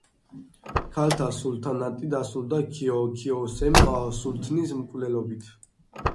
ქალთა სულთანატი დასრულდა ქიოსემ სულთნის მკვლელობით.